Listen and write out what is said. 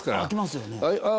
あきますよね。